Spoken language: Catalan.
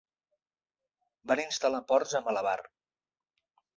Van instal·lar ports a Malabar.